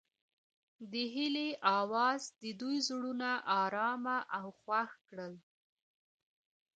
د هیلې اواز د دوی زړونه ارامه او خوښ کړل.